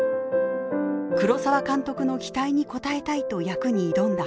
黒澤監督の期待に応えたいと役に挑んだ原田さん。